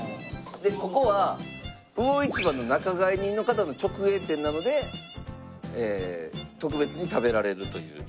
ここは魚市場の仲買人の方の直営店なので特別に食べられるという。